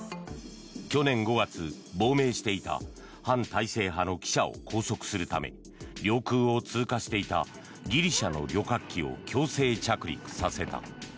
去年５月、亡命していた反体制派の記者を拘束するため領空を通過していたギリシャの旅客機を強制着陸させた。